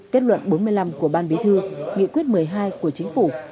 kết luận bốn mươi năm của ban bí thư nghị quyết một mươi hai của chính phủ